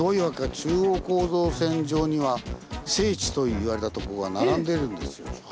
中央構造線上には聖地と言われたとこが並んでるんですよ。